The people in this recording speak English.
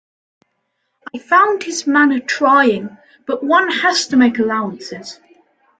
I found his manner trying, but one has to make allowances.